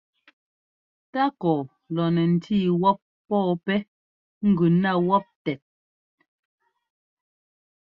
Tákɔ lɔ nɛ ńtí wɔ́p pɔ́ɔ pɛ́ gʉ ná wɔ́p tɛt.